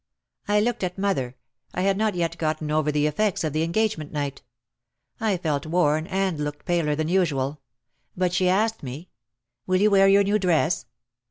I looked at mother, I had not yet gotten over the effects of the engagement night. I felt worn and looked paler than usual. But she asked me, "Will you wear your new dress?"